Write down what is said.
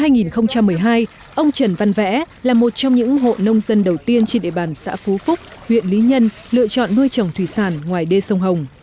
năm hai nghìn một mươi hai ông trần văn vẽ là một trong những hộ nông dân đầu tiên trên địa bàn xã phú phúc huyện lý nhân lựa chọn nuôi trồng thủy sản ngoài đê sông hồng